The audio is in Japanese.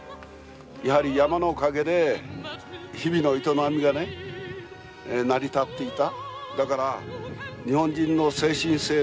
やはり山のおかげで日々の営みがね成り立っていた。